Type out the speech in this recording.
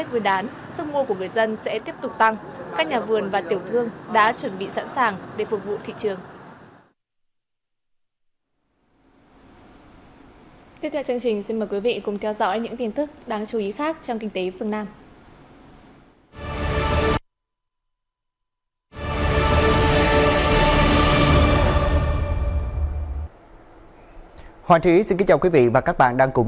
các nhà vườn và tiểu thương đã chuẩn bị sẵn sàng để phục vụ thị trường